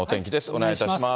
お願いいたします。